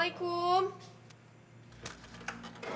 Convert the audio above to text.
nanti ibu minta tolong bu firman